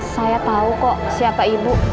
saya tahu kok siapa ibu